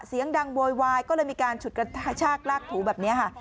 เสียงดังโวยวายก็เลยมีการฉุดกระชากลากถูแบบนี้ค่ะ